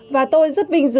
và tôi rất vinh dự